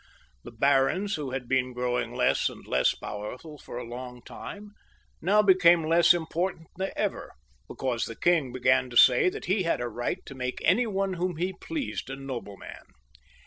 The barons, who had been growing less and less powerful for a long time, as I told you, now became less important than ever, because the king began ta say that he had a right to make any one whom he pleased a nobleman.